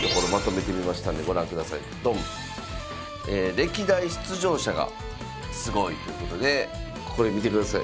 「歴代出場者がスゴい」ということでこれ見てください。